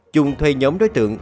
trung thuê nhóm đối tượng